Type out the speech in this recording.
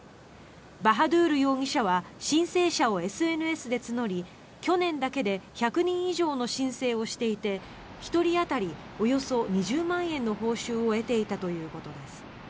バハドゥール容疑者は申請者をＳＮＳで募り去年だけで１００人以上の申請をしていて１人当たりおよそ２０万円の報酬を得ていたということです。